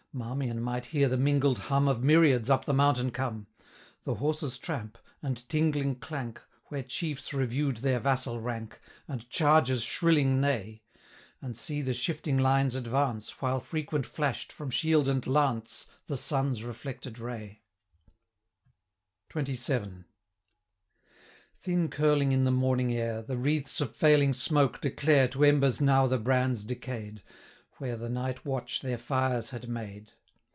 540 Marmion might hear the mingled hum Of myriads up the mountain come; The horses' tramp, and tingling clank, Where chiefs review'd their vassal rank, And charger's shrilling neigh; 545 And see the shifting lines advance, While frequent flash'd, from shield and lance, The sun's reflected ray. XXVII. Thin curling in the morning air, The wreaths of failing smoke declare 550 To embers now the brands decay'd, Where the night watch their fires had made.